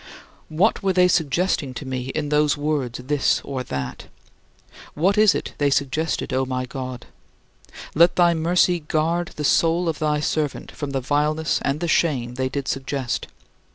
What were they suggesting to me in those words "this or that"? What is it they suggested, O my God? Let thy mercy guard the soul of thy servant from the vileness and the shame they did suggest!